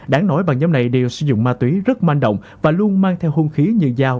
đáng nói bằng nhóm này đều sử dụng ma túy rất manh động và luôn mang theo hung khí như dao